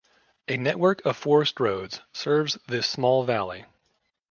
A network of forest roads serves this small valley.